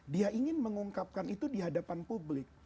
dia ingin mengungkapkan itu di hadapan publik